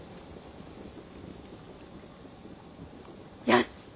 よし！